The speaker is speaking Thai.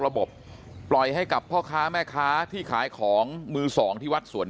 ระบบปล่อยให้กับพ่อค้าแม่ค้าที่ขายของมือสองที่วัดสวน